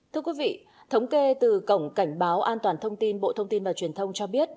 thưa quý vị thống kê từ cổng cảnh báo an toàn thông tin bộ thông tin và truyền thông cho biết